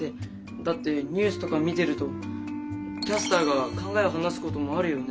だってニュースとか見てるとキャスターが考えを話すこともあるよね。